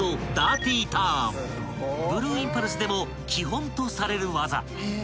［ブルーインパルスでも基本とされる技］